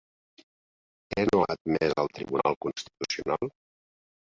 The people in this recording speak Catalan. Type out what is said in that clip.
Què no ha admès el Tribunal Constitucional?